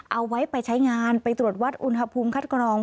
เอาไว้ไปใช้งานไปตรวจวัดอุณหภูมิคัดกรอง